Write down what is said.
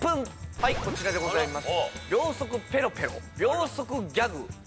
はいこちらでございます